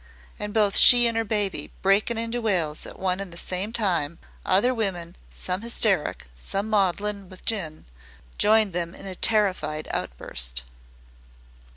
And both she and her baby breaking into wails at one and the same time, other women, some hysteric, some maudlin with gin, joined them in a terrified outburst.